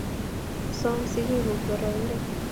Soom sikikuk boroindo